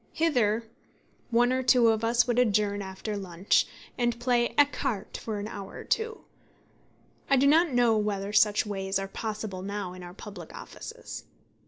Hither one or two of us would adjourn after lunch, and play écarté for an hour or two. I do not know whether such ways are possible now in our public offices.